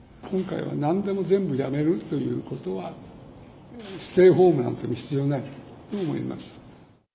今回はなんでも全部やめるということは、ステイホームなんていうのは必要ないと思います。